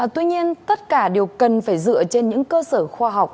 tuy nhiên tất cả đều cần phải dựa trên những cơ sở khoa học